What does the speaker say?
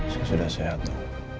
saya sudah sehat dok